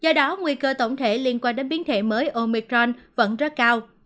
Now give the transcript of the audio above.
do đó nguy cơ tổng thể liên quan đến biến thể mới omicron vẫn rất cao